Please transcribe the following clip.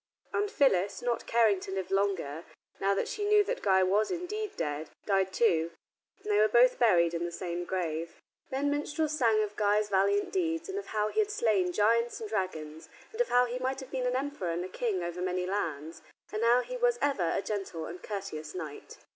And Phyllis, not caring to live longer, now that she knew that Guy was indeed dead, died too, and they were both buried in the same grave. Then minstrels sang of Guy's valiant deeds, and of how he had slain giants and dragons, and of how he might have been an emperor and a king over many lands, and how he was ever a gentle and courteous knight.